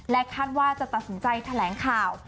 คาดว่าจะตัดสินใจแถลงข่าว